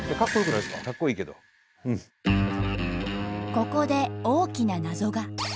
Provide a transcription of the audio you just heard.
ここで大きな謎が。